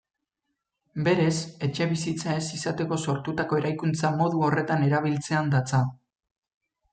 Berez, etxebizitza ez izateko sortutako eraikuntza modu horretan erabiltzean datza.